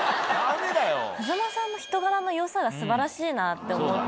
風間さんの人柄の良さが素晴らしいなって思って。